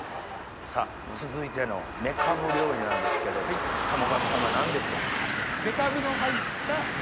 さぁ続いてのメカブ料理なんですけれども田母神さま何でしょうか？